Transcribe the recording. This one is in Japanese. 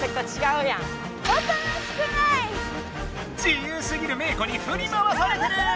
自由すぎるメー子にふり回されてる！